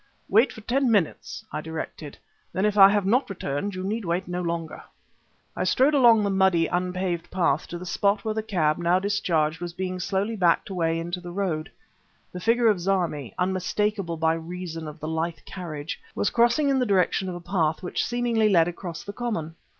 "Wait for ten minutes," I directed; "then if I have not returned, you need wait no longer." I strode along the muddy, unpaved path, to the spot where the cab, now discharged, was being slowly backed away into the road. The figure of Zarmi, unmistakable by reason of the lithe carriage, was crossing in the direction of a path which seemingly led across the common.